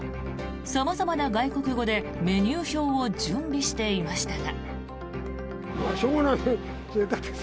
様々な外国語でメニュー表を準備していましたが。